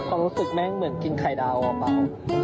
แล้วรู้สึกแม่งเหมือนกินไข่ดาวอ่ะป่าว